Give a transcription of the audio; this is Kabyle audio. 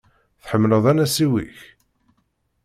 Tḥemmleḍ anasiw-ik?